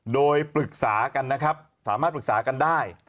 โดยปรึกษากันนะครับสามารถปรึกษากันได้